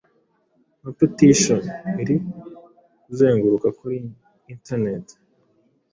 nka Petition iri kuzenguruka kuri internet,